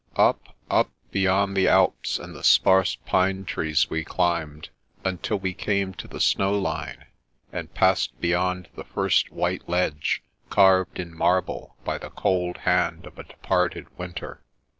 Up, up beyond the alps and the sparse pine trees we climbed, until we came to the snowline, and passed beyond the first white ledge, carved in marble by the cold hand of a departed winter.